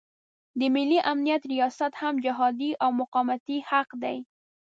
د ملي امنیت ریاست هم جهادي او مقاومتي حق دی.